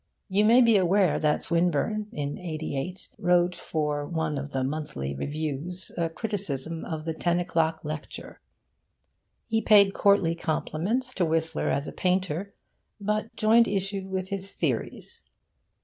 You may be aware that Swinburne, in '88, wrote for one of the monthly reviews a criticism of the 'Ten O'Clock' lecture. He paid courtly compliments to Whistler as a painter, but joined issue with his theories.